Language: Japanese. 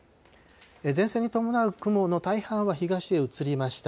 前線に伴う雲の大半は東へ移りました。